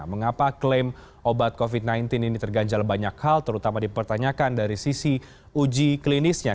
mengapa klaim obat covid sembilan belas ini terganjal banyak hal terutama dipertanyakan dari sisi uji klinisnya